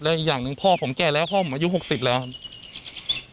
อีกอย่างหนึ่งพ่อผมแก่แล้วพ่อผมอายุ๖๐แล้วครับ